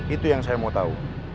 itu yang saya mau tahu